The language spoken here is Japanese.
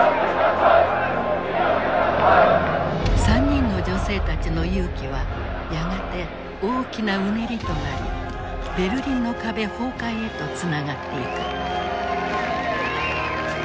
３人の女性たちの勇気はやがて大きなうねりとなりベルリンの壁崩壊へとつながっていく。